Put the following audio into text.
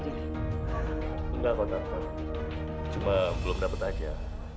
enggak pak tante cuma belum dapat saja